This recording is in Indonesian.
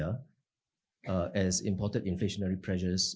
karena tekanan inflasi yang diperlukan